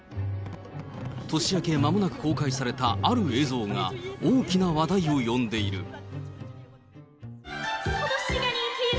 年明けまもなく公開されたある映像が、大きな話題を呼んでいる。